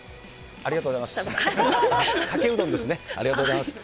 ありがとうございます。